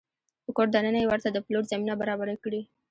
په کور دننه يې ورته د پلور زمینه برابره کړې